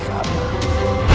ustik prabu sorandaka